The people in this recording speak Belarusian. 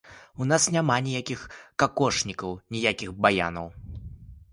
У нас няма ніякіх какошнікаў, ніякіх баянаў.